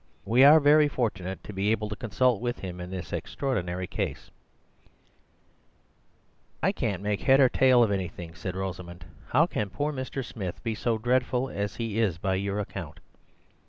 We are very fortunate to be able to consult with him in this extraordinary case—" "I can't make head or tail of anything," said Rosamund. "How can poor Mr. Smith be so dreadful as he is by your account?"